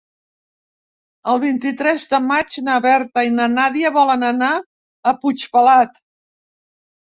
El vint-i-tres de maig na Berta i na Nàdia volen anar a Puigpelat.